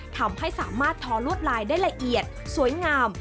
ทำให้สามารถทอลวดลายได้ละเอียดสวยงาม